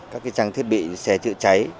các trang thiết bị xe chữa cháy